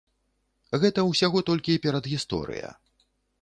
Гэта ўсяго толькі перадгісторыя.